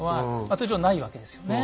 通常はないわけですよね。